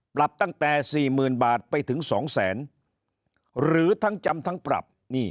ปรับตั้งแต่๔๐๐๐บาทไปถึง๒แสนหรือทั้งจำทั้งปรับ